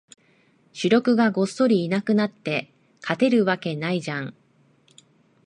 主力がごっそりいなくなって、勝てるわけないじゃん